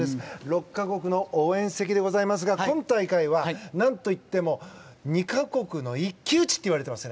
６か国の応援席ですが今大会は何といっても２か国の一騎打ちといわれています。